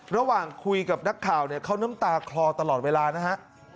ระหว่างคุยกับนักข่าวเนี่ยเขาน้ำตาคลอตลอดเวลานะฮะ